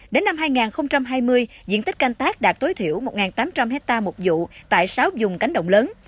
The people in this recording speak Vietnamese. đến năm hai nghìn hai mươi diện tích canh tác đạt tối thiểu một tám trăm linh hectare một vụ tại sáu dùng cánh động lớn